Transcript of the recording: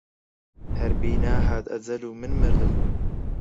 هەر بینا هات ئەجەل و من مردم